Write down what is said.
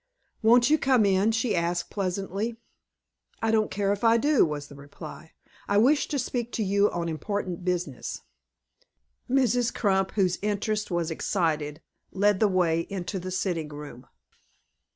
"Won't you come in?" she asked, pleasantly. "I don't care if I do," was the reply. "I wish to speak to you on important business." Mrs. Crump, whose interest was excited, led the way into the sitting room.